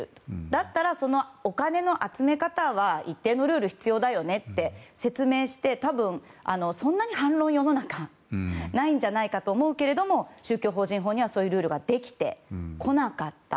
だったら、そのお金の集め方は一定のルールが必要だよねって説明して、多分そこまで反論、世の中にないんじゃないかと思うんだけれども宗教法人法にはそういうルールができてこなかった。